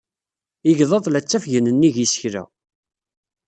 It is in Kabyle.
Igḍaḍ la ttafgen nnig yisekla.